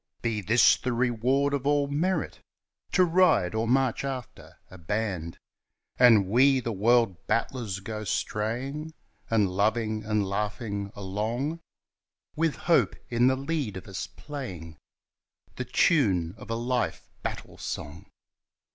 Be this the reward of all merit To ride or march after a band ! As we, the World Battlers, go straying And loving and laughing along With Hope in the lead of us playing The tune of a life battle song!